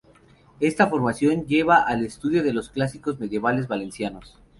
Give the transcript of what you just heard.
Esta formación le lleva al estudio de los clásicos medievales valencianos.